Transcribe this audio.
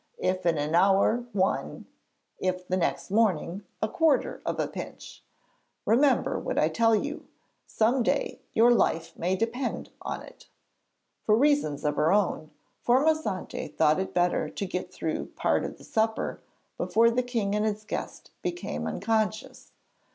If in an hour, one; if the next morning, a quarter of a pinch. Remember what I tell you; some day your life may depend on it.' For reasons of her own, Formosante thought it better to get through part of the supper before the king and his guest became unconscious.